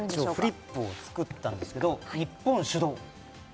フリップを作ったんですけど「日本主導！」。